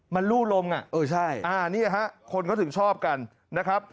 มันลู่ลมอ่ะเออใช่นี่ฮะคนเขาถึงชอบกันนะครับ